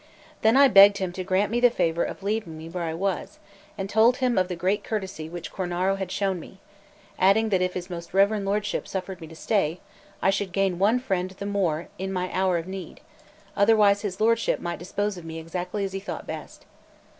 Then I begged him to grant me the favour of leaving me where I was, and told him of the great courtesy which Cornaro had shown me; adding that if his most reverend lordship suffered me to stay, I should gain one friend the more in my hour of need; otherwise his lordship might dispose of me exactly as he thought best.